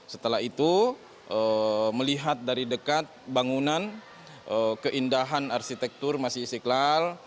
setelah itu melihat dari dekat bangunan keindahan arsitektur masjid istiqlal